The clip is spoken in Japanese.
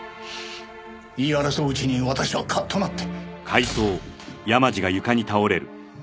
言い争ううちに私はカッとなって。